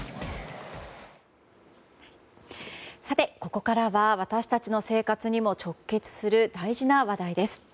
ここからは私たちの生活にも直結する大事な話題です。